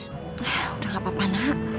sudah tidak apa apa nak